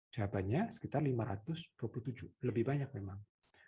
jawabannya sekitar lima ratus dua puluh tujuh lebih banyak memang